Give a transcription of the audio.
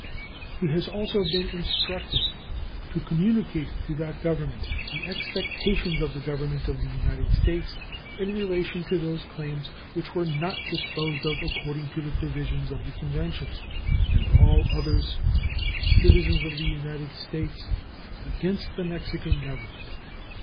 He has also been instructed to communicate to that Government the expectations of the Government of the United States in relation to those claims which were not disposed of according to the provisions of the convention, and all others of citizens of the United States against the Mexican Government.